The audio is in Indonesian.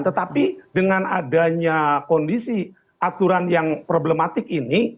tetapi dengan adanya kondisi aturan yang problematik ini